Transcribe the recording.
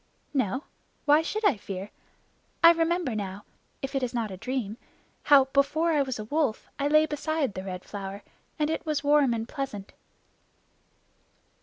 "No. Why should I fear? I remember now if it is not a dream how, before I was a Wolf, I lay beside the Red Flower, and it was warm and pleasant."